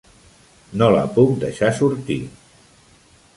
No la puc deixar sortir.